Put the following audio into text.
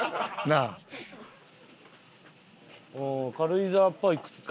ああー軽井沢っぽい靴か。